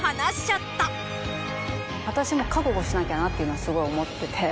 私も覚悟しなきゃなっていうのはすごい思ってて。